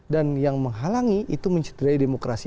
dan yang menghalangi itu mencederai demokrasi